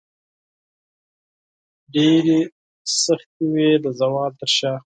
ډیرې سختې وې د زوال تر شاه